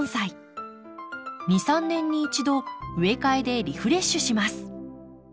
２３年に１度植え替えでリフレッシュします。